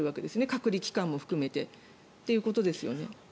隔離期間も含めてということですよね。